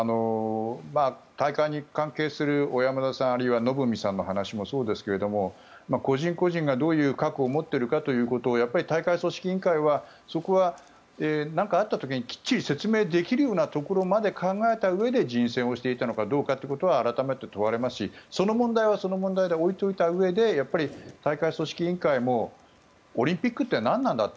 大会に関係する小山田さんあるいはのぶみさんの話もそうですが個人個人がどういう過去を持っているかということをやっぱり大会組織委員会はそこはなんかあった時にきっちり説明できるようなところまで考えたうえで人選をしていたのかどうかということは改めて問われますしその問題はその問題で置いておいたうえでやっぱり大会組織委員会もオリンピックってなんなんだって